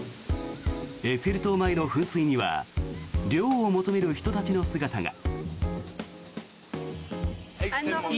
エッフェル塔前の噴水には涼を求める人たちの姿が。